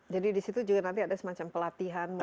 jadi disitu juga nanti ada semacam pelatihan mungkin